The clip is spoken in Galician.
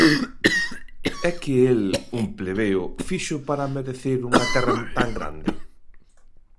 E que el, un plebeo, fixo para merecer unha terra tan grande?